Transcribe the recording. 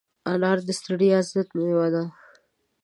انار د ستړیا ضد مېوه ده.